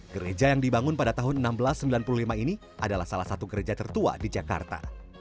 gereja yang dibangun pada tahun seribu enam ratus sembilan puluh lima ini adalah salah satu gereja tertua di jakarta